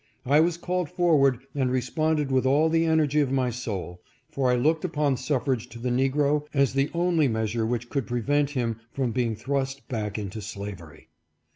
I was called forward and respond ed with all the energy of my soul, for I looked upon suffrage to the Negro as the only measure which could prevent him from being thrust back into slavery.